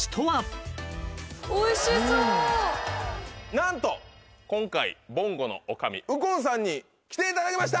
なんと今回ぼんごの女将右近さんに来ていただきました！